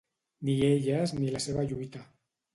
Ni elles ni la seva lluita.